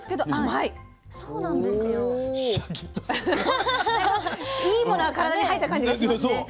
いいものが体に入った感じがしますね。